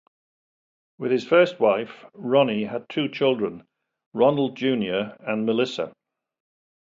With his first wife, Ronnie had two children: Ronald Junior and Melissa.